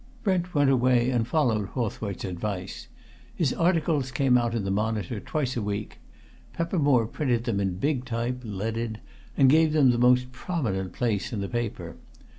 Brent went away and followed Hawthwaite's advice. His articles came out in the Monitor twice a week. Peppermore printed them in big type, leaded, and gave them the most prominent place in the paper.